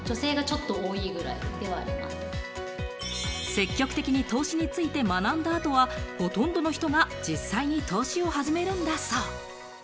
積極的に投資について学んだ後はほとんどの人が実際に投資を始めるんだそう。